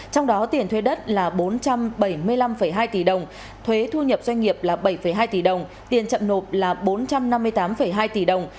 trong đó tiền thuế đất là bốn trăm bảy mươi năm hai tỷ đồng thuế thu nhập doanh nghiệp là bảy hai tỷ đồng tiền chậm nộp là bốn trăm năm mươi tám hai tỷ đồng